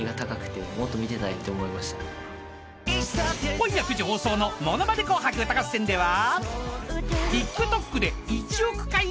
［今夜９時放送の『ものまね紅白歌合戦』では］